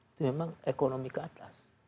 itu memang ekonomi ke atas